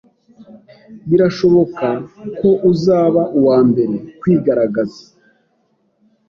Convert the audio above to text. Birashoboka ko uzaba uwambere kwigaragaza.